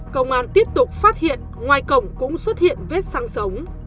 công an tiếp tục phát hiện ngoài cổng cũng xuất hiện vết xăng sống